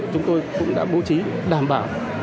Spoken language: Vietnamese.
chúng tôi cũng đã bố trí đảm bảo